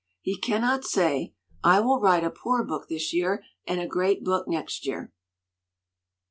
He cannot say, 'I will write a poor book this year and a great book next year."